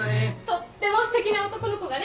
とってもすてきな男の子がねわたしにって。